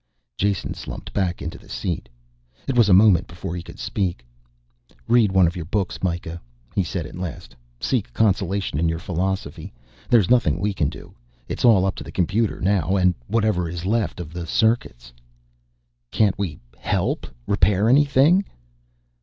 Jason slumped back into the seat. It was a moment before he could speak. "Read one of your books, Mikah," he said at last. "Seek consolation in your philosophy. There's nothing we can do. It's all up to the computer now, and whatever is left of the circuits." "Can't we help repair anything?"